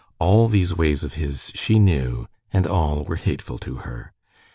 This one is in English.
All these ways of his she knew, and all were hateful to her.